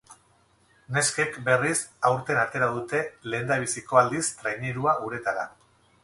Neskek, berriz, aurten atera dute lehenbiziko aldiz trainerua uretara.